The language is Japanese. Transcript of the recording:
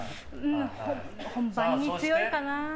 本番に強いかな。